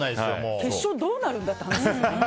決勝、どうなるんだって話ですよ。